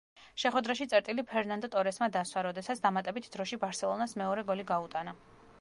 შეხვედრაში წერტილი ფერნანდო ტორესმა დასვა, როდესაც დამატებით დროში ბარსელონას მეორე გოლი გაუტანა.